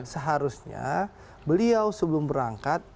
seharusnya beliau sebelum berangkat